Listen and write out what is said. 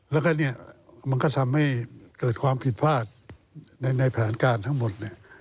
แล้วก็มันก็ทำให้เกิดความผิดพลาดในแผนการทั้งหมด